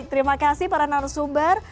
terima kasih para narasumber